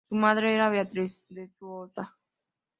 Su madre era Beatriz de Sousa.